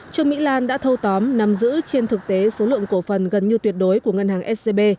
trương mỹ lan đã thâu tóm nắm giữ trên thực tế số lượng cổ phần gần như tuyệt đối của ngân hàng scb